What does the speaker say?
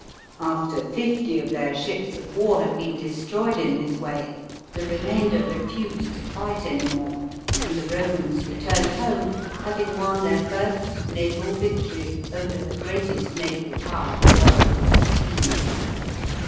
After fifty of their ships of war had been destroyed in this way, the remainder refused to fight any more, and the Romans returned home, having won their first naval victory over the greatest naval Power, the world had yet seen.